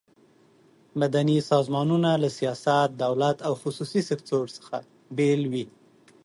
مدني سازمانونه له سیاست، دولت او خصوصي سکټور څخه بیل وي.